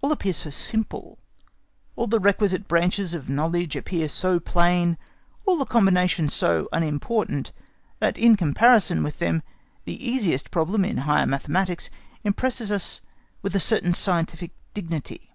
All appears so simple, all the requisite branches of knowledge appear so plain, all the combinations so unimportant, that in comparison with them the easiest problem in higher mathematics impresses us with a certain scientific dignity.